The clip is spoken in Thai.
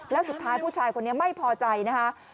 แล้วสุดท้ายผู้ชายคนนี้ไม่พอใจนะคะ